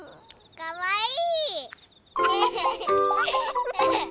かわいい！